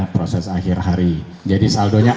proses akhir hari jadi saldonya